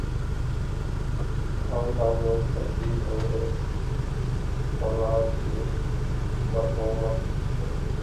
Hong Kong کی ترقی انگریز سامراج کی مرہون منت رہی۔